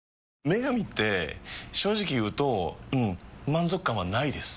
「麺神」って正直言うとうん満足感はないです。